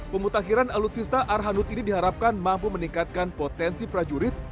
pemutakhiran alutsista arhanud ini diharapkan mampu meningkatkan potensi prajurit